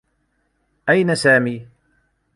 أين سامي؟